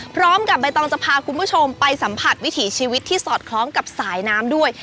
พร้อมกับใบตองจะพาคุณผู้ชมไปสัมผัสวิถีชีวิตที่สอดคล้องกับสายน้ำด้วย